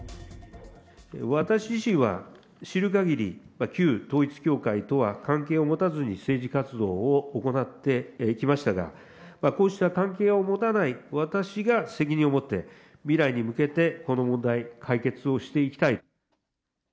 私自身は知るかぎり、旧統一教会とは関係を持たずに政治活動を行ってきましたが、こうした関係を持たない私が責任を持って、未来に向けて、この問題、解決をしていきたい。